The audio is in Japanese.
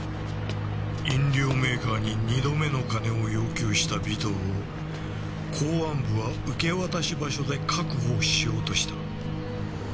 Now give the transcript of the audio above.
飲料メーカーに二度目の金を要求した尾藤を公安部は受け渡し場所で確保しようとした。